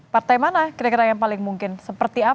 partai mana kira kira yang paling mungkin seperti apa